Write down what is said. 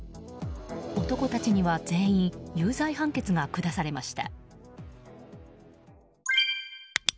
男たちには全員有罪判決が下されました。